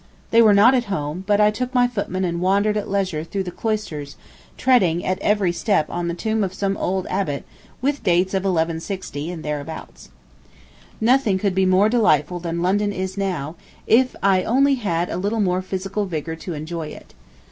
They were not at home, but I took my footman and wandered at leisure through the cloisters, treading at every step on the tomb of some old abbot with dates of 1160 and thereabouts. [Picture: Holland House] Nothing could be more delightful than London is now, if I had only a little more physical vigor to enjoy it.